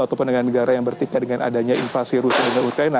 ataupun negara yang bertindak dengan adanya invasi rusi epa